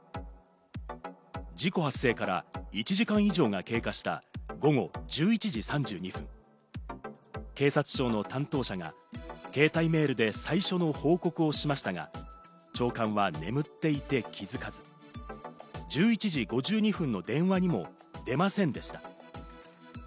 事故発生から１時間以上が経過した午後１１時３２分、警察庁の担当者が携帯メールで最初の報告をしましたが、長官は眠っていて気付かず、１１時５２分の電話にも出ませんでした。